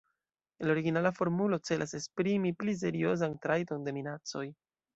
La originala formulo celas esprimi pli seriozan trajton de minacoj.